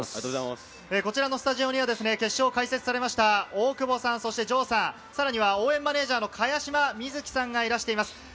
こちらのスタジオには決勝を解説されました大久保さん、そして城さん、さらには応援マネージャーの茅島みずきさんがいらしています。